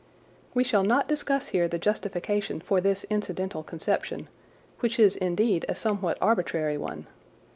We shall not discuss here the justification for this incidental conception, which is indeed a somewhat arbitrary one.